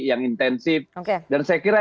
yang intensif dan saya kira